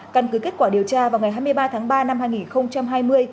căn cứ kết quả điều tra vào ngày hai mươi ba tháng ba năm hai nghìn hai mươi